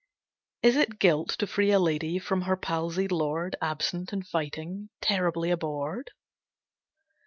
Is it guilt to free a lady from her palsied lord, absent and fighting, terribly abhorred?